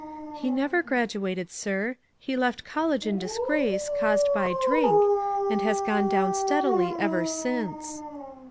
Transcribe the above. "He never graduated, sir. He left col lege in disgrace, caused by drink, and hae gone down steadily ever since."